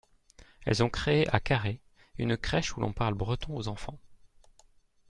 Elles ont créé à Carhaix une crèche où l’on parle breton aux enfants.